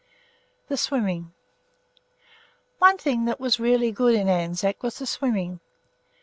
THE SWIMMING One thing that was really good in Anzac was the swimming.